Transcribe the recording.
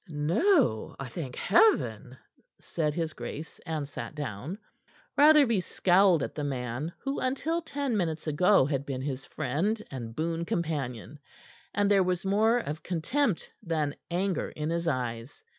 "No, I thank Heaven!" said his grace, and sat down. Rotherby scowled at the man who until ten minutes ago had been his friend and boon companion, and there was more of contempt than anger in his eyes.